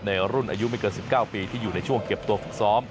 ในรุ่นอายุไม่เกิน๑๙ปีที่อยู่ในช่วงเก็บตัวฝึกซ้อม